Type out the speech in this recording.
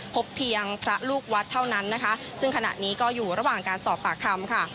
พบเพียงพระลูกวัดเท่านั้นนะคะซึ่งขณะนี้ก็อยู่ระหว่างการสอบปากคำค่ะ